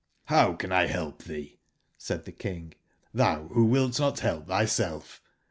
j^ "Row can 1 help thee," said the King, "thou who wilt not help thyself?